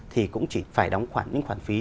thì cũng chỉ phải đóng khoản những khoản phí